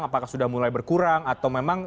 apakah sudah mulai berkurang atau memang